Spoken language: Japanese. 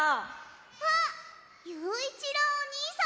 あっゆういちろうおにいさん！